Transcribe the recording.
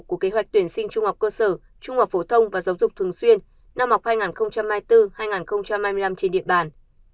của kế hoạch tuyển sinh trung học cơ sở trung học phổ thông và giáo dục thường xuyên năm học hai nghìn hai mươi bốn hai nghìn hai mươi năm trên địa bàn